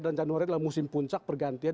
dan januari adalah musim puncak pergantian